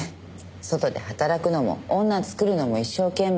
外で働くのも女作るのも一生懸命。